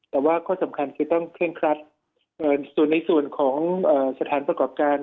แต่ว่าข้อสำคัญคือต้องเคร่งครัดส่วนในส่วนของสถานประกอบการ